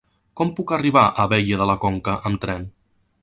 Com puc arribar a Abella de la Conca amb tren?